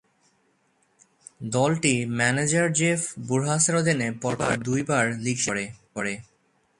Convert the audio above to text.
দলটি manager Jeff বুরহাসের অধীনে পরপর দুইবার লীগ শিরোপা জয় করে।